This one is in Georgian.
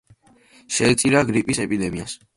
შეეწირა გრიპის ეპიდემიას.